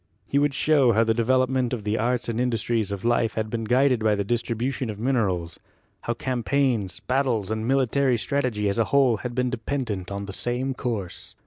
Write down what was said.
He would show how the development of the arts and industries of life had been guided by the distribution of minerals, how cam paigns, battles and military strategy as a whole had been dependent on the same course.